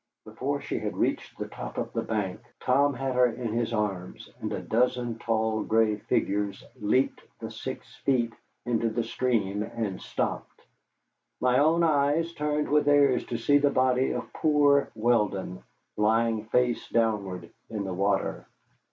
Before she had reached the top of the bank Tom had her in his arms, and a dozen tall gray figures leaped the six feet into the stream and stopped. My own eyes turned with theirs to see the body of poor Weldon lying face downward in the water.